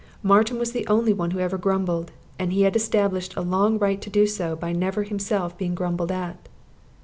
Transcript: Martin was the only one who ever grumbled, and he had established a long right to do so by never himself being grumbled at.